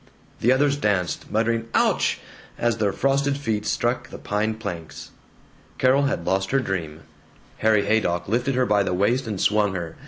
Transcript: The others danced, muttering "Ouch!" as their frosted feet struck the pine planks. Carol had lost her dream. Harry Haydock lifted her by the waist and swung her.